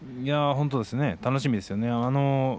本当ですね、楽しみですね。